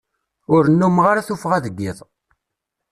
Ur nnumeɣ ara tuffɣa deg iḍ.